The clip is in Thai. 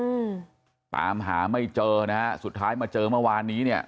อืมตามหาไม่เจอนะฮะสุดท้ายมาเจอเมื่อวานนี้เนี้ย